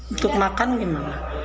untuk makan bagaimana